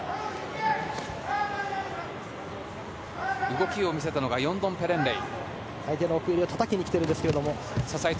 動きを見せたのはヨンドンペレンレイ。